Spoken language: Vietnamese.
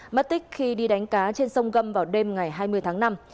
mất tích khi đi đánh cá trên sông gâm vào đêm ngày hai mươi tháng năm